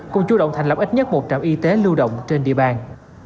cùng chú động thành lập ít nhất một trạm y tế lưu động trên địa bàn